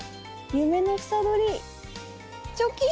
夢の房どりチョキン！